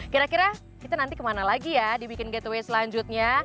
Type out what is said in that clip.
kira kira kita nanti kemana lagi ya dibikin gateway selanjutnya